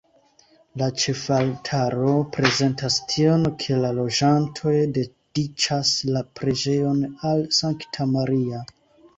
La ĉefaltaro prezentas tion, ke la loĝantoj dediĉas la preĝejon al Sankta Maria.